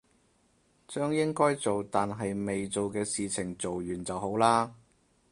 將應該做但係未做嘅事情做完就好啦